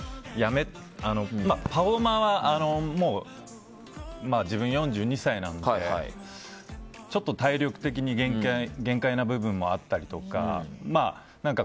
パフォーマーはもう自分、４２歳なんでちょっと体力的に限界な部分もあったりとか。